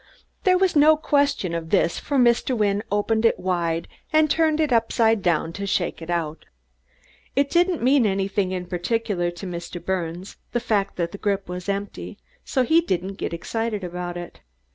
There was no question of this, for Mr. Wynne opened it wide and turned it upside down to shake it out. It didn't mean anything in particular to Mr. Birnes, the fact that the grip was empty, so he didn't get excited about it.